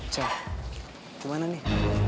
cepat kemana nih